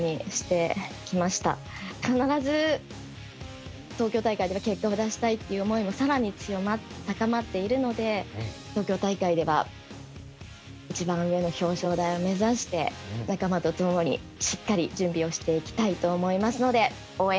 必ず東京大会では結果を出したいっていう思いも更に強まって高まっているので東京大会では一番上の表彰台を目指して仲間とともにしっかり準備をしていきたいと思いますので応援